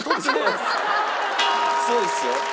そうですよ。